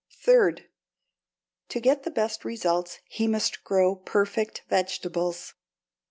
Third, to get the best results he must grow perfect vegetables.